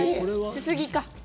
すすぎか。